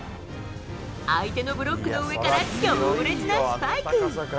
相手のブロックの上から強烈なスパイク。